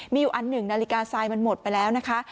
มีอยู่อันหนึ่งนาฬิกาทรายมันหมดไปแล้วนะคะ